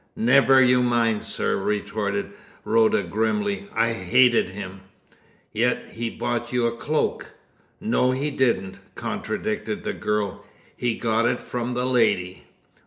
"Never you mind, sir," retorted Rhoda grimly. "I hated him." "Yet he bought you this cloak." "No, he didn't!" contradicted the girl. "He got it from the lady!"